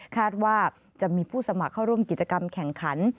คาดว่าจะมีผู้สมัครเข้าร่วมกิจกรรมแข่งขัน